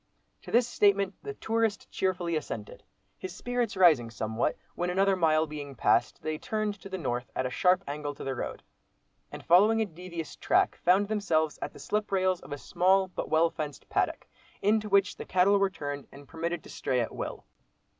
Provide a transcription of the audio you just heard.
To this statement the tourist cheerfully assented, his spirits rising somewhat, when another mile being passed, they turned to the north at a sharp angle to the road, and following a devious track, found themselves at the slip rails of a small but well fenced paddock, into which the cattle were turned, and permitted to stray at will.